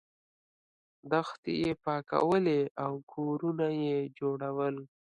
دښتې یې پاکولې او کورونه یې جوړول.